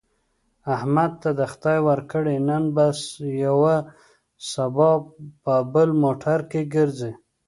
احمد ته خدای ورکړې، نن په یوه سبا په بل موټر کې ګرځي.